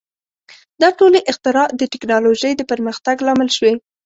• دا ټولې اختراع د ټیکنالوژۍ د پرمختګ لامل شوې.